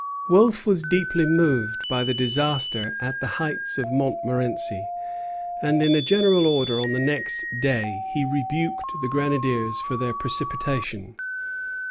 Wolfe was deeply moved by the disaster at the heights of Montmorenci, and in a General Order on the next day he rebuked the grenadiers for their precipitation.